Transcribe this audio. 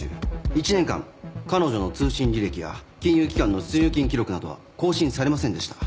１年間彼女の通信履歴や金融機関の出入金記録などは更新されませんでした。